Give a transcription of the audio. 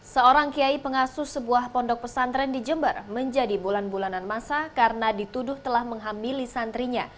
seorang kiai pengasuh sebuah pondok pesantren di jember menjadi bulan bulanan masa karena dituduh telah menghamili santrinya